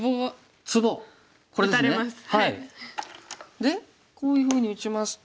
でこういうふうに打ちますと。